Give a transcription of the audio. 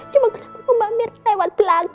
cuma kenapa pemamir lewat gelang